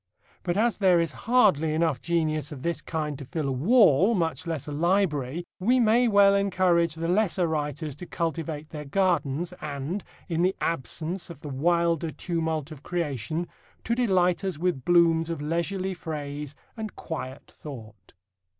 But as there is hardly enough genius of this kind to fill a wall, much less a library, we may well encourage the lesser writers to cultivate their gardens, and, in the absence of the wilder tumult of creation, to delight us with blooms of leisurely phrase and quiet thought.